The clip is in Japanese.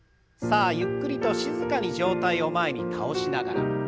さあゆっくりと静かに上体を前に倒しながら。